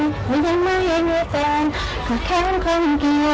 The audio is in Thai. มึงยังไม่เห็นแสนก็แค้นคนเกี่ยว